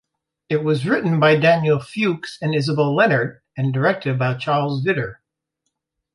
It was written by Daniel Fuchs and Isobel Lennart and directed by Charles Vidor.